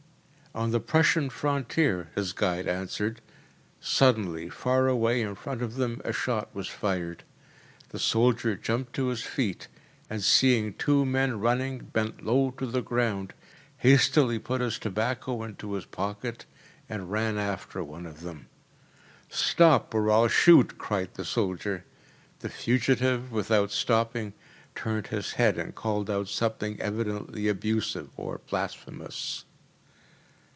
‚ÄĚ “On the Prussian frontier,‚ÄĚ his guide answered. Suddenly, far away in front of them, a shot was fired. The soldier jumped to his feet, and seeing two men running, bent low to the ground, hastily put his tobacco into his pocket, and ran after one of them. “Stop, or I’ll shoot!‚ÄĚ cried the soldier. The fugitive, without stopping, turned his head and called out something evidently abusive or blasphemous.